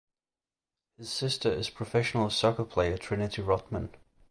His sister is professional soccer player Trinity Rodman.